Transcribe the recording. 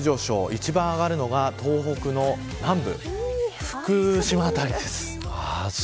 一番上がるのは東北の南部福島辺りです。